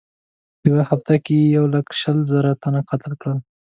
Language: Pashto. په یوه هفته کې یې یو لک شل زره تنه قتل کړل.